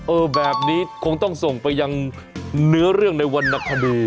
เออแบบนี้คงต้องส่งไปยังเนื้อเรื่องในวรรณคดี